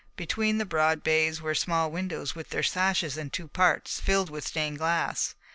Between the broad bays were small windows with their sashes in two parts filled with stained glass.